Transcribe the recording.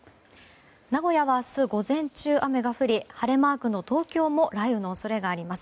名古屋は明日午前中雨が降り晴れマークの東京も雷雨の恐れがあります。